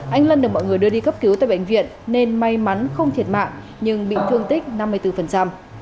anh lân được mọi người đưa đi cấp cứu tại bệnh viện nên may mắn không thiệt mạng nhưng bị thương tích năm mươi bốn